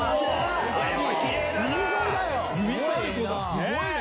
すごいね。